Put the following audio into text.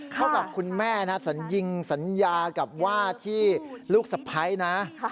กับคุณแม่นะสัญญิงสัญญากับว่าที่ลูกสะพ้ายนะ